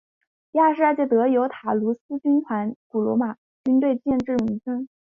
第二十二德尤塔卢斯军团古罗马军队建制名称。